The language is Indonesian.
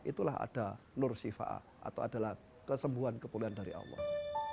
itulah ada nur shifa ah atau adalah kesembuhan kepuliaan dari allah